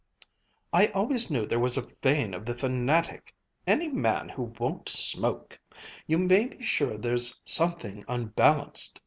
I always knew there was a vein of the fanatic any man who won't smoke you may be sure there's something unbalanced